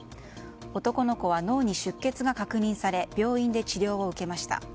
男の子は脳に出血が確認され病院で治療を受けました。